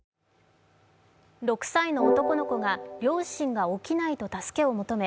６歳の男の子が両親が起きないと助けを求め